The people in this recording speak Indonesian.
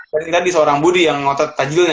dari tadi seorang budi yang ngotot tajilnya